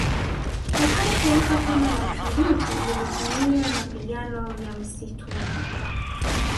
Lakini taifa kama la Msumbiji lilitumia mapigano ya msituni